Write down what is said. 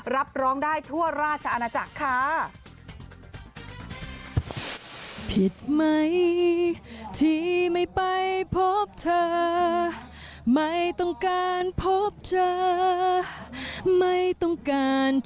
รับร้องได้ทั่วราชอาณาจักรค่ะ